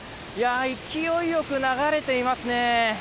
勢いよく流れていますね。